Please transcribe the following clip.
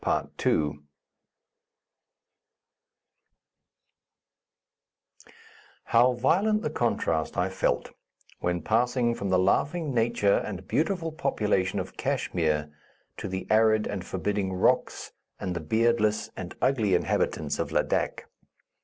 How violent the contrast I felt when passing from the laughing nature and beautiful population of Kachmyr to the arid and forbidding rocks and the beardless and ugly inhabitants of Ladak!